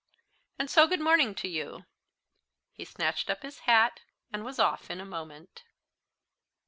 And so good morning to you." He snatched up his hat, and was off in a moment.